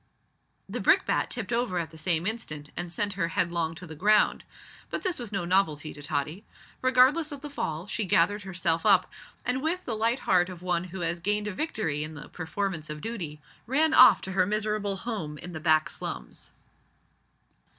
The brickbat tipped over at the same instant and sent her headlong to the ground. But this was no novelty to Tottie. Regardless of the fall, she gathered herself up, and, with the light heart of one who has gained a victory in the performance of duty, ran off to her miserable home in the back slums.